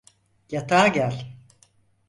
Yatağa gel.